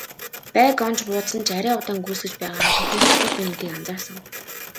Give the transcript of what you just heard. Байг онож буудсан ч арай удаан гүйцэтгэж байгаагаараа тэднээс дутуу байна гэдгийг анзаарсан.